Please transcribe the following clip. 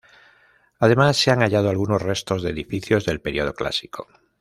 Además, se han hallado algunos restos de edificios del periodo clásico.